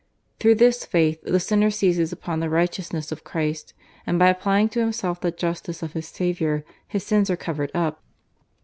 Through this faith the sinner seizes upon the righteousness of Christ, and by applying to himself the justice of his Saviour his sins are covered up.